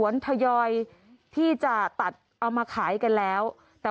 น้ำป่าเสดกิ่งไม้แม่ระมาศ